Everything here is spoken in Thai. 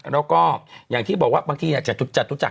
แล้วก็อย่างที่บอกว่าบางทีจัดทุกจักร